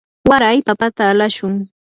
waray papata alashun.